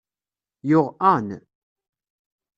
Yuɣ Ann.